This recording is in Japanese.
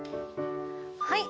はい。